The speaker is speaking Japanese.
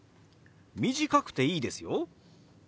短くていいですよ。